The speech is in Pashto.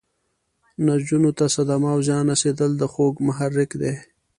نسجونو ته صدمه او زیان رسیدل د خوږ محرک دی.